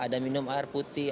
ada minum air putih